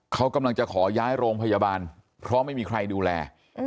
เขากำลังจะขอย้ายโรงพยาบาลเพราะไม่มีใครดูแล